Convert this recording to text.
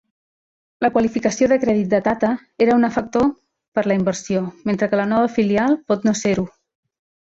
La qualificació de crèdit de Tata era una factor per la inversió, mentre que la nova filial pot no se-ho.